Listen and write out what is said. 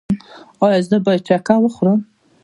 ایا زه باید چکه وخورم؟